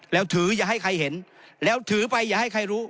แล้วถืออย่าให้ใครเห็นแล้วถือไปอย่าให้ใครรู้